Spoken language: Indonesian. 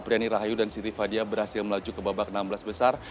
priani rahayu dan siti fadia berhasil melaju ke babak enam belas besar